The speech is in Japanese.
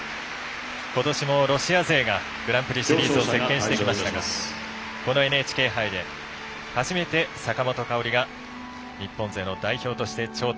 ことしもロシア勢がグランプリシリーズ席けんしてきましたがこのＮＨＫ杯で初めて坂本花織が日本勢の代表として頂点。